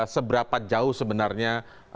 seberapa jauh sebenarnya